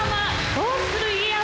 「どうする家康」